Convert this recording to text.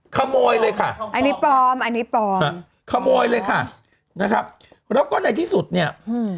ค่ะอันนี้ปลอมอันนี้ปลอมขโมยเลยค่ะนะครับแล้วก็ในที่สุดเนี่ย